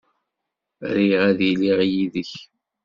Riɣ ad iliɣ yid-k.